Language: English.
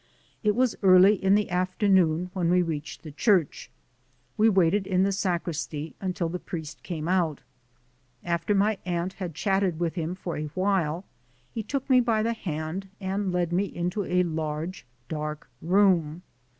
It was early in the afternoon when we reached the church. We waited in the sacristy until the priest came out. After my aunt had chatted with him for a while, he took me by the hand and led me into a large dark room.